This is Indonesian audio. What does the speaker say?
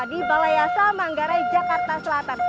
di balai yasa manggarai jakarta selatan